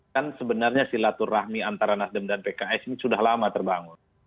kan sebenarnya silaturahmi antara nasdem dan pks ini sudah lama terbangun